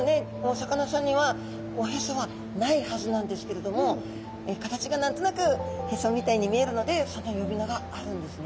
お魚さんにはおへそはないはずなんですけれども形が何となくへそみたいに見えるのでその呼び名があるんですね。